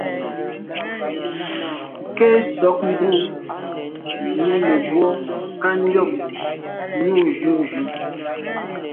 Nke nsôg mbu mi mebwô kà njôg njù juju.